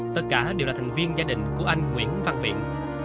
tất cả đều là thành viên gia đình của anh nguyễn văn viện